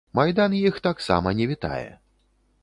Майдан іх таксама не вітае.